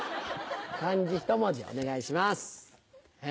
漢字１文字でお願いします。